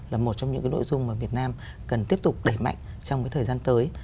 là một trong những cái nội dung mà việt nam cần tiếp tục đẩy mạnh trong cái thời gian tới